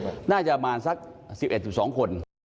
เป็นน่าจะออกมาสัก๑๑๑๒คน